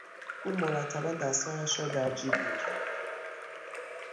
او مرتبا دستهایش را در جیب میکرد.